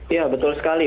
ya betul sekali